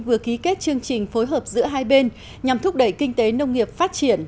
vừa ký kết chương trình phối hợp giữa hai bên nhằm thúc đẩy kinh tế nông nghiệp phát triển